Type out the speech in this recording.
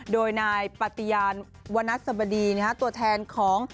โดยนายปฏิญาณวนัสสบดีตัวแทนของ